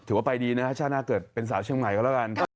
ว่าไปดีนะชาติหน้าเกิดเป็นสาวเชียงใหม่ก็แล้วกัน